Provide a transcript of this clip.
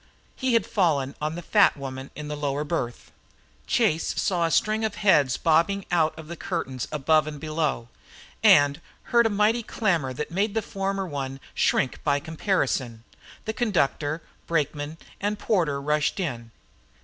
He had fallen on the fat woman in the lower berth. Chase saw a string of heads bobbing out of the curtains above and below, and he heard a mighty clamour that made the former one shrink by comparison. The conductor, brakeman, and porter rushed in.